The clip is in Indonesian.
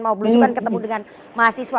mau berusukan ketemu dengan mahasiswa